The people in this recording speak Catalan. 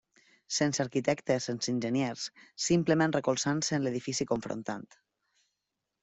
Sense arquitectes, sense enginyers, simplement recolzant-se en l'edifici confrontant.